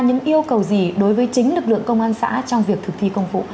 những yêu cầu gì đối với chính lực lượng công an xã trong việc thực thi công vụ